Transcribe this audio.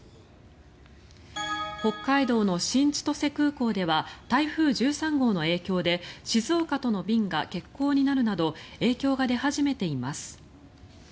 北海道の新千歳空港では台風１３号の影響で静岡との便が欠航になるなど影響が出始めています。